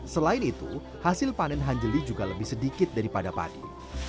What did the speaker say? selain itu hasil panen hanjeli juga lebih sedikit daripada padi